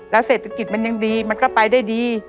แล้วเศรษฐกิจมันยังดีมันก็ไปได้ดี